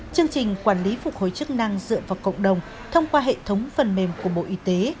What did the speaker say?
chương trình quản lý phục hồi chức năng dựa vào cộng đồng thông qua hệ thống phần mềm của bộ y tế